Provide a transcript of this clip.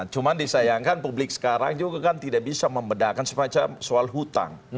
cuma disayangkan publik sekarang juga kan tidak bisa membedakan semacam soal hutang